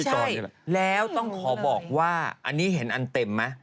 แล้วต้องขอบอกว่าอันนี้เห็นอันเต็มไหม